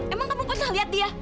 emang kamu kosong lihat dia